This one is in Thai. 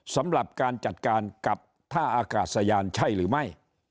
สำหรับการจัดการกับท่าอากาศยานใช่หรือไม่